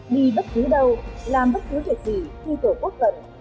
đi bất cứ đâu làm bất cứ việc gì khi tổ quốc cần